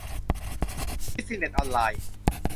บิซิเนส ออนไลน์